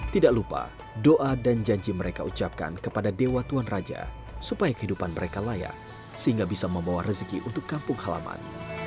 tidak lupa doa dan janji mereka ucapkan kepada dewa tuan raja supaya kehidupan mereka layak sehingga bisa membawa rezeki untuk kampung halaman